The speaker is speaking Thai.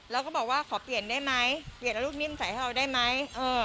แล้วก็บอกว่าขอเปลี่ยนได้ไหมเปลี่ยนเอารูปนิ่มใส่ให้เราได้ไหม